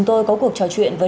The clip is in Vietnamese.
tôi đã đọc cho anh rồi ạ